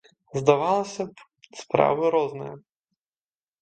Здавалася б, справы розныя.